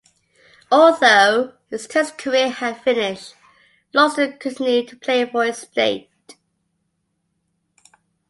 Although his Test career had finished, Loxton continued to play for his state.